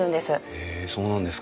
へえそうなんですか。